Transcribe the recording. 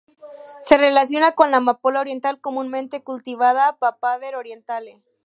Se relaciona con la amapola oriental comúnmente cultivada, "Papaver orientale".